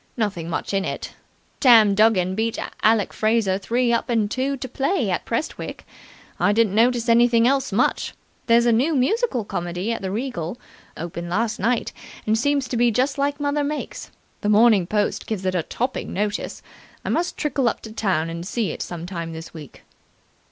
Nothing much in it. Tam Duggan beat Alec Fraser three up and two to play at Prestwick. I didn't notice anything else much. There's a new musical comedy at the Regal. Opened last night, and seems to be just like mother makes. The Morning Post gave it a topping notice. I must trickle up to town and see it some time this week."